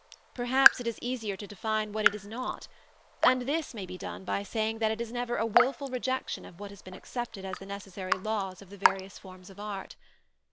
Perhaps it is easier to define what it is not; and this may be done by saying that it is never a wilful rejection of what have been accepted as the necessary laws of the various forms of art.